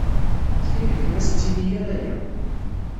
Ttxil-k, ur as-ttini ara aya.